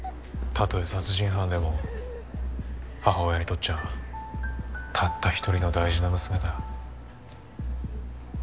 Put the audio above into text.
たとえ殺人犯でも母親にとっちゃたった１人の大事な娘だ。